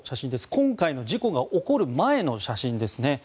今回の事故が起こる前の写真ですね。